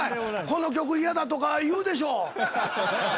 「この曲嫌だ」とか言うでしょ